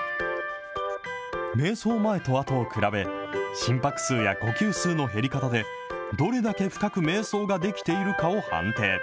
めい想前とあとを比べ、心拍数や呼吸数の減り方で、どれだけ深くめい想ができているかを判定。